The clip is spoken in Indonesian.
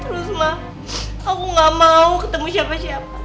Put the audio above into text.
terus ma aku nggak mau ketemu siapa siapa